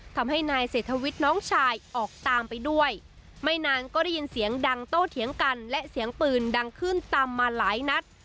ทำให้นายเศรษฐวิทย์น้องชายออกตามไปด้วยไม่นานก็ได้ยินเสียงดังโต้เถียงกันและเสียงปืนดังขึ้นตามมาหลายนัด